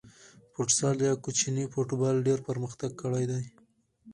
فوسال یا کوچنی فوټبال ډېر پرمختګ کړی.